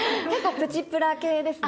プチプラ系ですね。